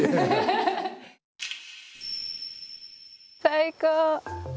最高！